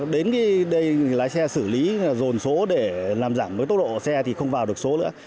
đến cái đây lái xe xử lý dồn số để làm giảm với tốc độ xe thì không vào được số nữa